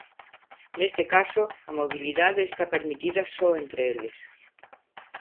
Neste caso, a mobilidade está permitida só entre eles.